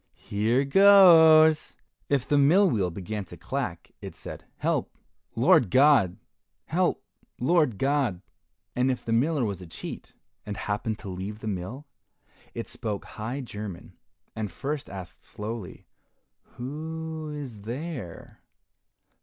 here goes." If the mill wheel began to clack, it said, "Help, Lord God! help, Lord God!" And if the miller was a cheat and happened to leave the mill, it spoke high German, and first asked slowly, "Who is there?